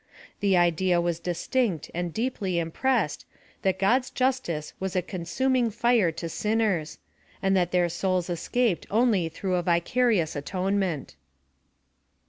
The idea was dis tinct and deeply impressed, that God's justice was a consuming fire to sinners ; and that their souls escaped only through a vicarious atonement.